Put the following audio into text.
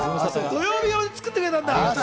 土曜日用に作ってくれたんだ。